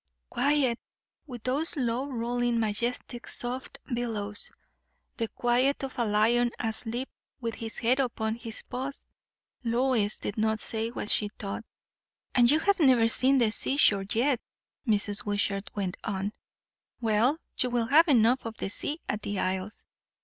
Quiet! with those low rolling, majestic soft billows. The quiet of a lion asleep with his head upon his paws. Lois did not say what she thought. "And you have never seen the sea shore yet," Mrs. Wishart went on. "Well, you will have enough of the sea at the Isles.